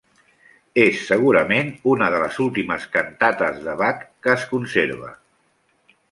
És, segurament, una de les últimes cantates de Bach que es conserva.